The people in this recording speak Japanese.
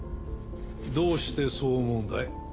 どうしてそう思うんだい？